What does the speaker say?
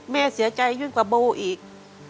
แม่เสียใจยิ่งกว่าโบอีก